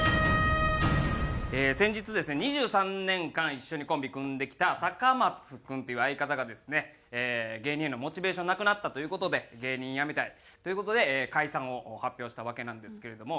先日ですね２３年間一緒にコンビ組んできた高松君っていう相方がですね芸人へのモチベーションなくなったという事で芸人やめたいという事で解散を発表したわけなんですけれども。